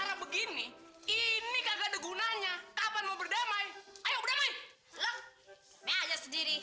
karena begini ini kagak digunanya kapan mau berdamai ayo berdamai